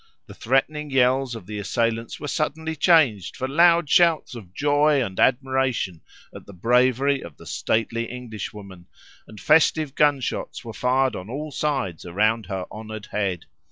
The threatening yells of the assailants were suddenly changed for loud shouts of joy and admiration at the bravery of the stately Englishwoman, and festive gunshots were fired on all sides around her honoured head.